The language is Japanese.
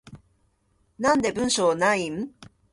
なんで文章ないん？